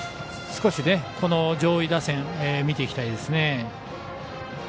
少し、この上位打線見ていきたいですね。